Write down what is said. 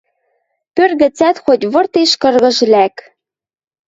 Пӧрт гӹцӓт хоть выртеш кыргыж лӓк